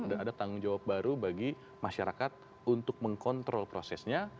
ada tanggung jawab baru bagi masyarakat untuk mengkontrol prosesnya